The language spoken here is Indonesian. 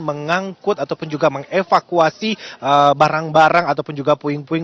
mengangkut ataupun juga mengevakuasi barang barang ataupun juga puing puing